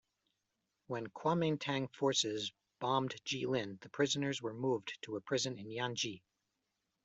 When Kuomingtang forces bombed Jilin, the prisoners were moved to a prison in Yanji.